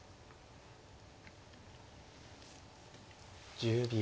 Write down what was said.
１０秒。